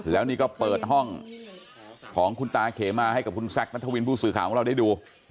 แล้วนี่ก็เปิดห้องของคุณตาเขมาให้กับคุณแซคนัทวินผู้สื่อข่าวของเราได้ดู